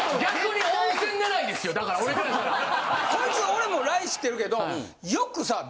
こいつ俺もＬＩＮＥ知ってるけどよくさ。